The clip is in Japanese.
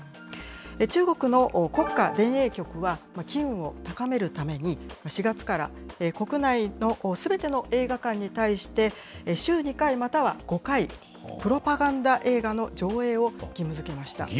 中国の国家電影局は機運を高めるために、４月から、国内のすべての映画館に対して、週２回または５回、プロパガンダ映画の上映を義務づけました。